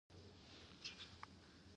بدخشان ډیره واوره لري